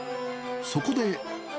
そこで。